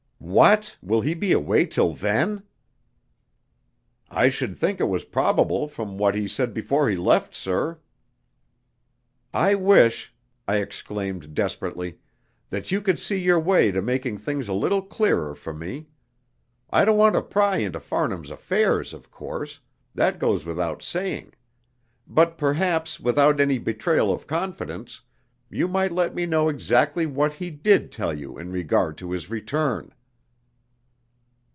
"What, will he be away till then?" "I should think it was probable from what he said before he left, sir." "I wish," I exclaimed desperately, "that you could see your way to making things a little clearer for me. I don't want to pry into Farnham's affairs, of course that goes without saying. But perhaps, without any betrayal of confidence, you might let me know exactly what he did tell you in regard to his return."